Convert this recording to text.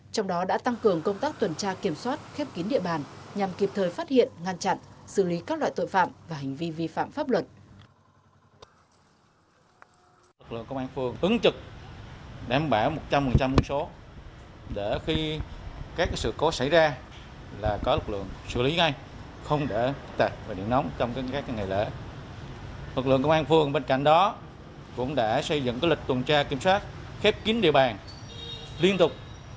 trong đó đã tăng cường công tác tuần tra kiểm soát khép kín địa bàn nhằm kịp thời phát hiện ngăn chặn xử lý các loại tội phạm và hành vi vi phạm pháp luật